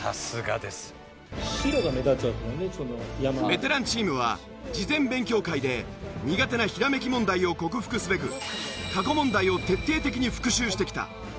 ベテランチームは事前勉強会で苦手なひらめき問題を克服すべく過去問題を徹底的に復習してきた。